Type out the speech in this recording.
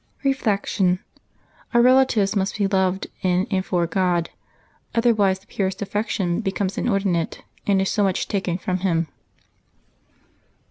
Reflection. — Our relatives must be loved in and for God; otherwise the purest affection becomes inordinate and is so much taken from Him.